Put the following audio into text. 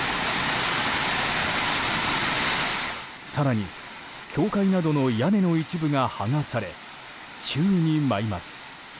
更に、教会などの屋根の一部が剥がされ宙に舞います。